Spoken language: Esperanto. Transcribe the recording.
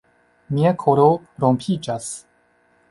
Mia koro rompiĝas.